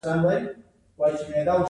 د دې ګډېدو څخه مالي پانګه رامنځته کېږي